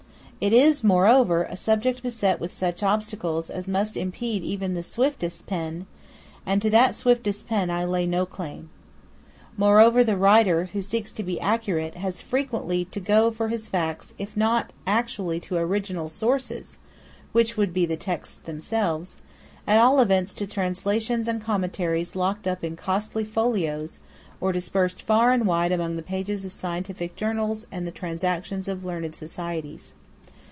It is, moreover, a subject beset with such obstacles as must impede even the swiftest pen; and to that swiftest pen I lay no claim. Moreover the writer, who seeks to be accurate, has frequently to go for his facts, if not actually to original sources (which would be the texts themselves), at all events to translations and commentaries locked up in costly folios, or dispersed far and wide among the pages of scientific journals and the transactions of learned societies.